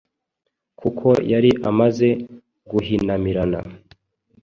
kuko yari amaze guhinamirana,